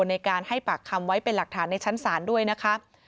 ในการให้ปากคำไว้เป็นหลักฐานในชั้นศาลด้วยนะคะ